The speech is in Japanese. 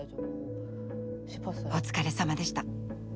お疲れさまでした。